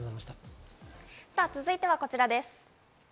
続いてはこちらです。